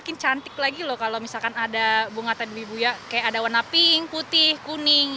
mungkin cantik lagi loh kalau misalkan ada bunga tabili buya kayak ada warna pink putih kuning